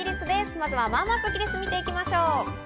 まずは、まぁまぁスッキりす、見ていきましょう。